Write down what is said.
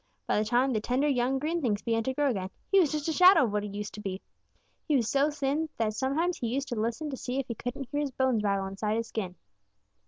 By the time the tender, young, green things began to grow again, he was just a shadow of what he used to be. He was so thin that sometimes he used to listen to see if he couldn't hear his bones rattle inside his skin.